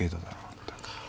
まったく。